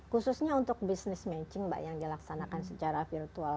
khususnya untuk business matching mbak yang dilaksanakan secara virtual